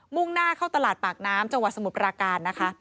่งหน้าเข้าตลาดปากน้ำจังหวัดสมุทรปราการนะคะ